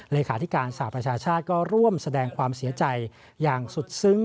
เลขาธิการสหประชาชาติก็ร่วมแสดงความเสียใจอย่างสุดซึ้ง